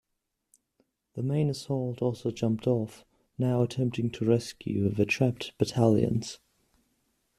The main assault also jumped off, now attempting to rescue the trapped battalions.